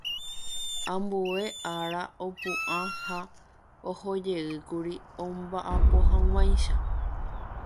Ambue ára opu'ã ha ohojeýkuri omba'apohag̃uáicha.